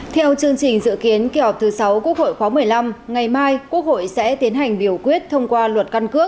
theo chương trình dự kiến kế họp thứ sáu quốc hội khóa một mươi năm ngày mai quốc hội sẽ tiến hành biểu quyết thông qua luật